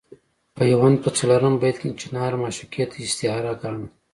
پیوند په څلورم بیت کې چنار معشوقې ته استعاره ګاڼه.